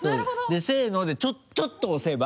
でせのでちょっと押せば。